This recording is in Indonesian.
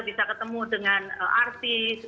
bisa ketemu dengan artis